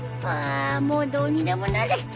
ああもうどうにでもなれ